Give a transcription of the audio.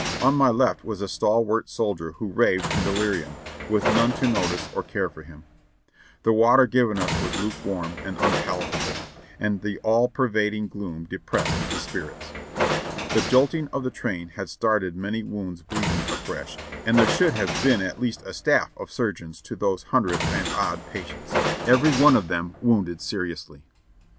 On my left was a stalwart soldier who raved in delirium, with none to notice or care for him. The water given us was lukewarm and unpalatable, and the all pervading gloom depressed the spirits. The jolting of the train had started many wounds bleeding afresh, and there should have been at least a staff of surgeons to those hundred and odd patients, every one of them wounded seriously.